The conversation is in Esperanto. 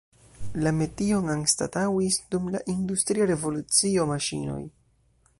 La metion anstataŭis dum la industria revolucio maŝinoj.